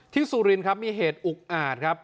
สุรินครับมีเหตุอุกอาจครับ